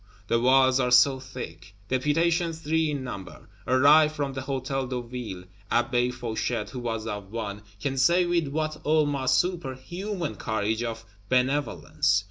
The walls are so thick! Deputations, three in number, arrive from the Hôtel de Ville; Abbé Fauchet (who was of one) can say with what almost superhuman courage of benevolence.